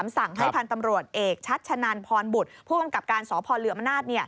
สั่งให้พันธ์ตำรวจเอกชัชนันพรบุตรพวกมันกับการส่งนับส่งส่วนพรห์เรืออำนาจ